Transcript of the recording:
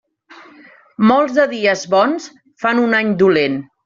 Molts de dies bons fan un any dolent.